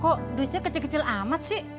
kok dusnya kecil kecil amat sih